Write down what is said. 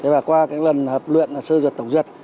và qua lần hợp luyện sơ duyệt tổng duyệt